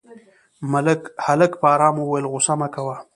هلک په آرامه وويل غوسه مه کوه.